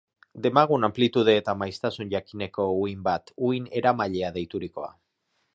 Demagun anplitude eta maiztasun jakineko uhin bat, uhin eramailea deiturikoa.